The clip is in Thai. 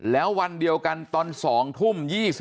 แล้ววันเดียวกันตอน๒ทุ่ม๒๕